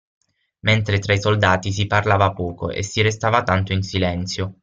Mentre tra i soldati si parlava poco e si restava tanto in silenzio.